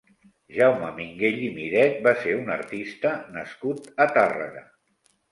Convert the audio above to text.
Jaume Minguell i Miret va ser un artista nascut a Tàrrega.